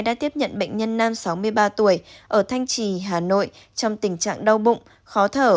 đã tiếp nhận bệnh nhân nam sáu mươi ba tuổi ở thanh trì hà nội trong tình trạng đau bụng khó thở